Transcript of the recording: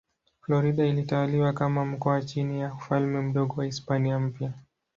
Florida ilitawaliwa kama mkoa chini ya Ufalme Mdogo wa Hispania Mpya.